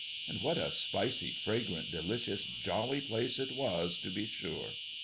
And what a spicy, fragrant, delicious, jolly place it was, to be sure!